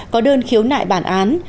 có đơn khiếu nhận đơn thư của các bạn